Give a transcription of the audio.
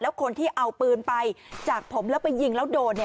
คนที่เอาปืนไปจากผมแล้วไปยิงแล้วโดน